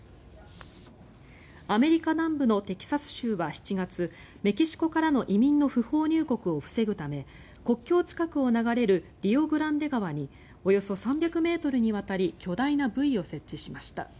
アメリカ南部のテキサス州は７月メキシコからの移民の不法入国を防ぐため国境近くを流れるリオ・グランデ川におよそ３００ｍにわたり巨大なブイを設置しました。